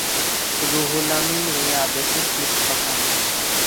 রুহুল আমিন এই আদেশে ক্ষিপ্ত হন।